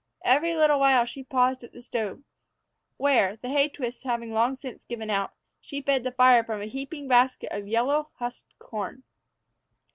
Every little while she paused at the stove, where, the hay twists having long since given out, she fed the fire from a heaping basket of yellow, husked corn.